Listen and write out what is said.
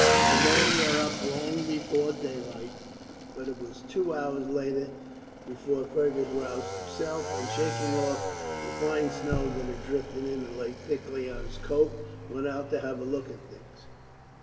The men were up long before daylight; but it was two hours later before Fergus roused himself and, shaking off the fine snow that had drifted in and lay thickly on his coat, went out to have a look at things.